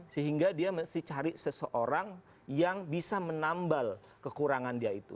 sehingga dia mesti cari seseorang yang bisa menambal kekurangan dia itu